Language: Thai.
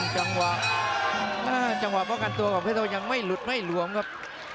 จังหวะจังหวะป้องกันตัวของเพชรโทยังไม่หลุดไม่หลวมครับ